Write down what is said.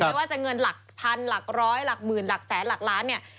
ไม่ว่าจะเงินหลักพันหลักร้อยหลักหมื่นหลักแสนหลักล้านเนี่ย